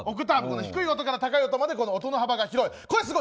低い音から高い音まで音の幅が広い。